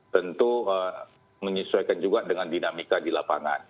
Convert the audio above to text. tentu menyesuaikan juga dengan dinamika di lapangan